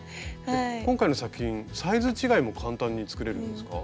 今回の作品サイズ違いも簡単に作れるんですか？